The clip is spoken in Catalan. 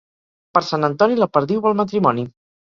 Per Sant Antoni la perdiu vol matrimoni.